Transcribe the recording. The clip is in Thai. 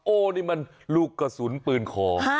โอ้นี่มันลูกกระสุนปืนคอ